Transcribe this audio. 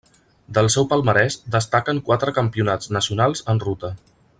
Del seu palmarès destaquen quatre Campionats nacionals en ruta.